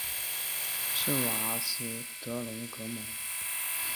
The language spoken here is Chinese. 圣瓦阿斯德隆格蒙。